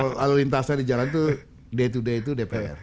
kalau lalu lintasnya di jalan itu day to day itu dpr